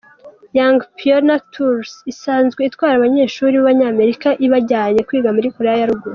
Young Pioneer Tours, isanzwe itwara abanyeshuri b’Abanyamerika ibajyanye kwiga muri Koreya ya Ruguru.